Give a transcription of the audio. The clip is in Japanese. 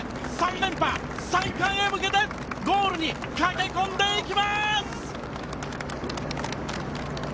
３連覇、３冠へ向けてゴールに駆け込んでいきます！